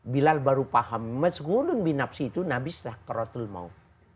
bilal baru paham masghulun bin nabsi itu nabi setelah kerotol maut